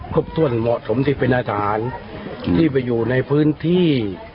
ครบถ้วนเหมาะสมที่เป็นอาหารที่ไปอยู่ในพื้นที่